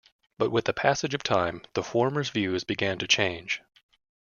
But, with the passage of time, the former's views began to change.